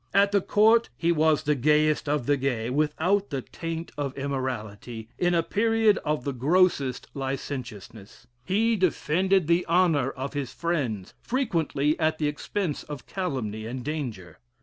At the Court he was the gayest of the gay, without the taint of immorality, in a period of the grossest licentiousness; he defended the honor of his friends, frequently at the expense of calumny and danger.